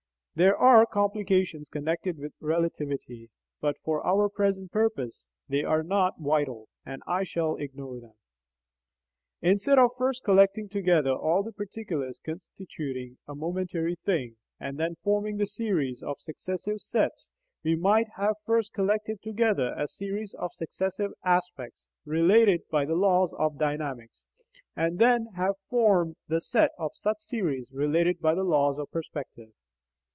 There are complications connected with relativity, but for our present purpose they are not vital, and I shall ignore them. Instead of first collecting together all the particulars constituting a momentary thing, and then forming the series of successive sets, we might have first collected together a series of successive aspects related by the laws of dynamics, and then have formed the set of such series related by the laws of perspective.